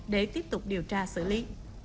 để tiếp tục điều tra xử lý